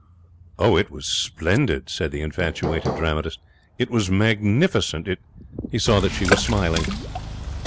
'It was splendid,' said the infatuated dramatist. 'It was magnificent. It ' He saw that she was smiling.